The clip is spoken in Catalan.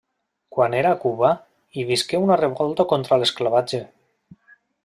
Quan era a Cuba, hi visqué una revolta contra l'esclavatge.